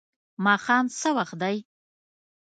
ماښام څه وخت دی؟